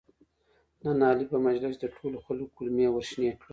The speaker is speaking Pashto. نن علي په مجلس کې د ټولو خلکو کولمې ورشنې کړلې.